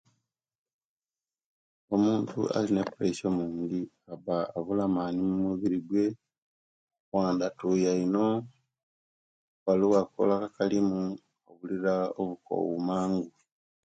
Omuntu alina opuresiya omungi aba abula amaani omubiri gwe obwandi atuuya ino buli obwakolaku akilimu abulira akoowa mangu